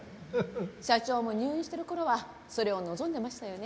社長も入院してる頃はそれを望んでましたよね。